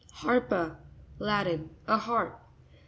Har'pa.—Latin. A harp.